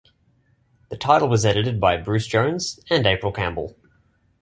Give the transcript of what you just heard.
The title was edited by Bruce Jones and April Campbell.